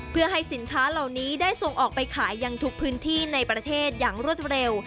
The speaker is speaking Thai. เพื่อให้สินค้าเหล่านี้ได้ส่งออกไปขายอย่างทุกพื้นที่ในประเทศอย่างรวดเร็ว